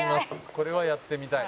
これはやってみたい」